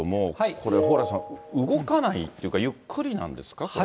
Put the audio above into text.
これ、蓬莱さん、動かないっていうか、ゆっくりなんですか、これ。